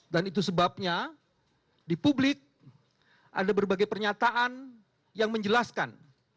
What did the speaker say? dan itu sebabnya di publik ada berbagai pernyataan yang menjelaskan